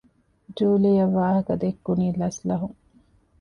ޖޫލީއަށް ވާހަކަދެއްކުނީ ލަސްލަހުން